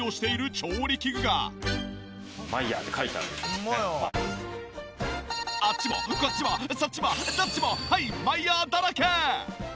そんな大人気笠原教授があっちもこっちもそっちもどっちもはいマイヤーだらけ！